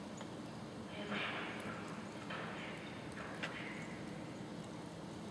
还有许多年号在不同时期重复使用。